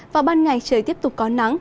và ban ngày trời tiếp tục có nắng